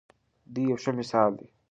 دی یو ښه مثال دی.